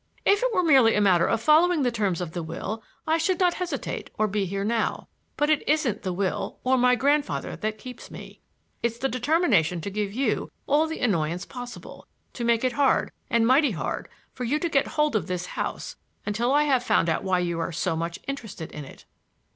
"If it were merely a matter of following the terms of the will I should not hesitate or be here now. But it isn't the will, or my grandfather, that keeps me, it's the determination to give you all the annoyance possible,—to make it hard and mighty hard for you to get hold of this house until I have found why you are so much interested in it."